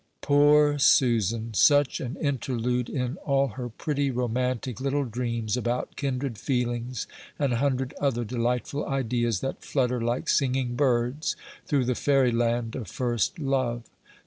Poor Susan! such an interlude in all her pretty, romantic little dreams about kindred feelings and a hundred other delightful ideas, that flutter like singing birds through the fairy land of first love.